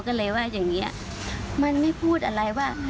ก็เลยว่าอย่างนี้มันไม่พูดอะไรว่า